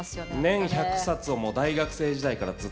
年１００冊をもう大学生時代からずっと。